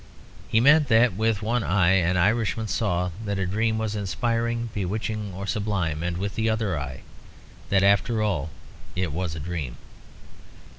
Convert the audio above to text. He meant that with one eye an Irishman saw that a dream was inspiring, bewitching, or sublime, and with the other eye that after all it was a dream.